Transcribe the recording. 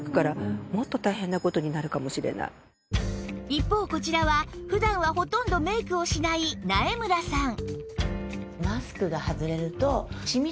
一方こちらは普段はほとんどメイクをしない苗村さん